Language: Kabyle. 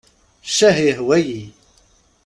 Ccah, yehwa-yi!